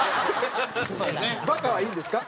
「バカ」はいいんですか？